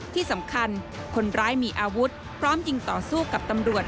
ที่สำคัญคนร้ายมีอาวุธพร้อมยิงต่อสู้กับตำรวจ